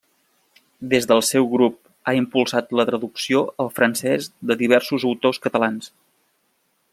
Des del seu grup ha impulsat la traducció al francès de diversos autors catalans.